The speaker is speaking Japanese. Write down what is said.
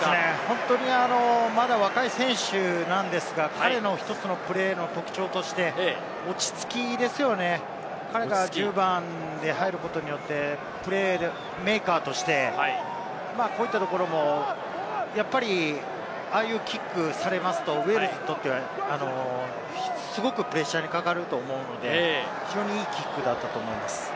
本当にまだ若い選手なんですが、彼の１つのプレーの特徴として、落ち着きですよね、彼が１０番に入ることで、プレーメーカーとして、こういったところもやっぱりああいうキックをされるとウェールズにとってはすごくプレッシャーにかかると思うので、非常にいいキックだったと思います。